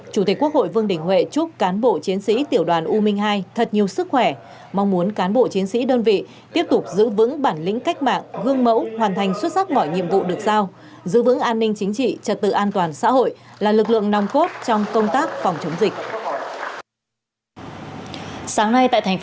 chủ tịch quốc hội vương đình huệ chúc cán bộ chiến sĩ tiểu đoàn u minh hai thật nhiều sức khỏe mong muốn cán bộ chiến sĩ đơn vị tiếp tục giữ vững bản lĩnh cách mạng gương mẫu hoàn thành xuất sắc mọi nhiệm vụ được giao giữ vững an ninh chính trị trật tự an toàn xã hội là lực lượng nòng cốt trong công tác phòng chống dịch